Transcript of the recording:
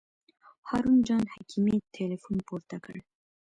هارون جان حکیمي تیلفون پورته کړ.